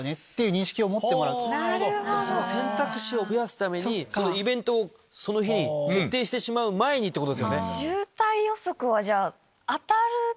その選択肢を増やすためにイベントをその日に設定してしまう前にってこと。